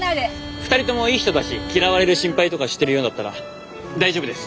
２人ともいい人だし嫌われる心配とかしてるようだったら大丈夫です。